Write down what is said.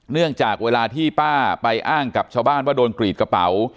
เนื่องจากเวลาที่ป้าไปอ้างกับชาวบ้านว่าโดนกรีดกระเป๋า